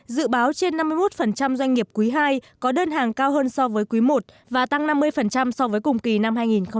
dự báo trên năm mươi một doanh nghiệp quý ii có đơn hàng cao hơn so với quý i và tăng năm mươi so với cùng kỳ năm hai nghìn một mươi chín